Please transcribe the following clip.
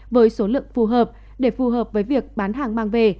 với số lượng phù hợp để phù hợp với việc bán hàng mang về